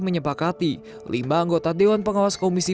menyepakati lima anggota dewan pengawas komisi